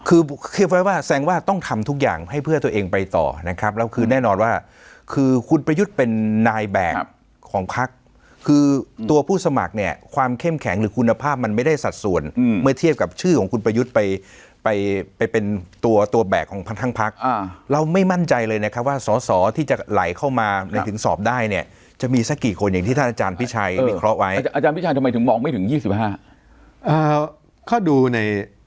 คือแสงว่าต้องทำทุกอย่างให้เพื่อตัวเองไปต่อนะครับแล้วคือแน่นอนว่าคือคุณประยุทธ์เป็นนายแบ่งของพักคือตัวผู้สมัครเนี่ยความเข้มแข็งหรือคุณภาพมันไม่ได้สัดส่วนเมื่อเทียบกับชื่อของคุณประยุทธ์ไปเป็นตัวแบ่งของทั้งพักเราไม่มั่นใจเลยนะครับว่าสอสอที่จะไหลเข้ามาถึงสอบได้เนี่ยจะมี